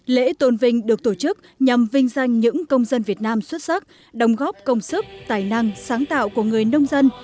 lễ tôn vinh được tổ chức nhằm vinh danh những công dân việt nam xuất sắc đồng góp công sức tài năng sáng tạo của người nông dân